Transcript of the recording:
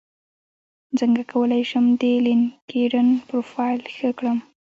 څنګه کولی شم د لینکیډن پروفایل ښه کړم